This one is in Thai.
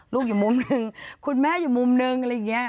อยู่มุมหนึ่งคุณแม่อยู่มุมนึงอะไรอย่างนี้